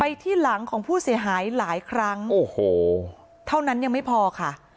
ที่หลังของผู้เสียหายหลายครั้งโอ้โหเท่านั้นยังไม่พอค่ะ